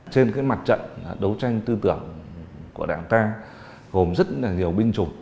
trên mặt trận đấu tranh tư tưởng của đảng ta gồm rất nhiều binh chủ